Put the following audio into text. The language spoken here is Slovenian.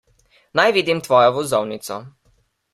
Naj vidim tvojo vozovnico.